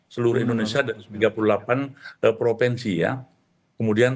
seluruh indonesia ada tiga puluh delapan provinsi